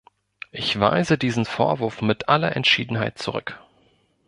Ich weise diesen Vorwurf mit aller Entschiedenheit zurück!